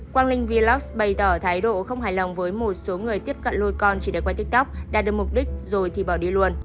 quang linh vllovs bày tỏ thái độ không hài lòng với một số người tiếp cận lôi con chỉ để quay tiktok đạt được mục đích rồi thì bỏ đi luôn